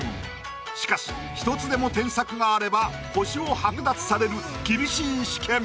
しかし１つでも添削があれば星を剥奪される厳しい試験。